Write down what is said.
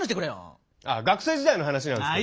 ああ学生時代の話なんですけど。